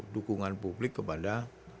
dukungan publik kepada